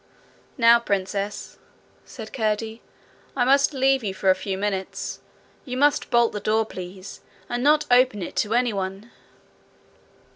'Now, Princess,' said Curdie, 'I must leave you for a few minutes. You must bolt the door, please, and not open it to any one.'